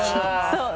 そう。